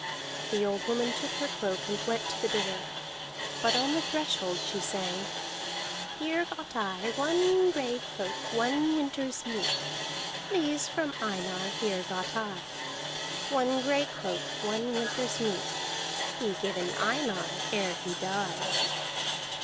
The old woman took her cloak, and went to the door, but on the threshold she sang: "Here got I One gray cloak, One winter's meat: These from Einar Here got I. One gray cloak, One winter's meat, Be given Einar Ere he die!"